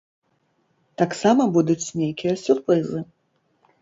Таксама будуць нейкія сюрпрызы.